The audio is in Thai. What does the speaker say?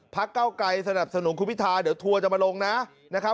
เก้าไกรสนับสนุนคุณพิทาเดี๋ยวทัวร์จะมาลงนะครับ